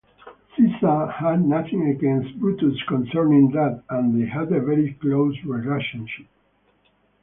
Caesar had nothing against Brutus concerning that, and they had a very close relationship.